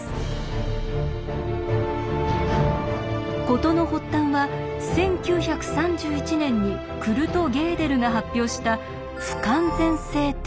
事の発端は１９３１年にクルト・ゲーデルが発表した「不完全性定理」。